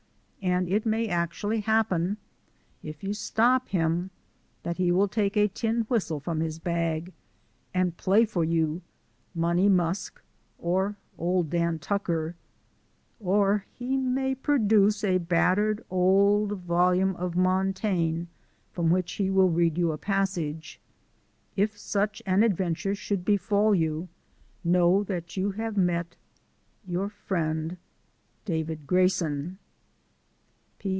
And it may actually happen, if you stop him, that he will take a tin whistle from his bag and play for you, "Money Musk," or "Old Dan Tucker," or he may produce a battered old volume of Montaigne from which he will read you a passage. If such an adventure should befall you, know that you have met Your friend, David Grayson.